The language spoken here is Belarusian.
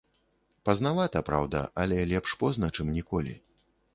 Пазнавата, праўда, але лепш позна, чым ніколі.